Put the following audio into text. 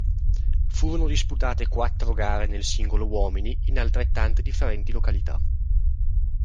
Furono disputate quattro gare nel singolo uomini in altrettante differenti località.